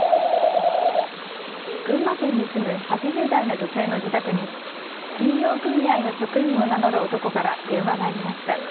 群馬県に住む８０代の女性の自宅に信用組合の職員を名乗る男から電話がありました。